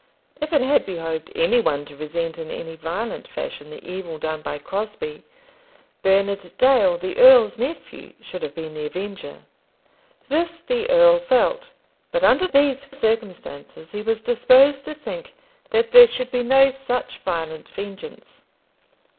If it had behoved any one to resent in any violent fashion the evil done by Crosbie, Bernard Dale, the earl's nephew, should have been the avenger. This the earl felt, but under these circumstances he was disposed to think that there should be no such violent vengeance.